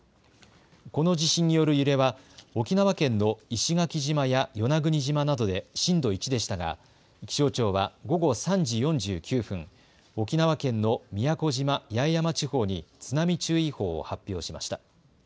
この地震による揺れは沖縄県の石垣島や与那国島などで震度１でしたが気象庁は午後３時４９分、沖縄県の宮古島・八重山地方に津波注意報を発表しました。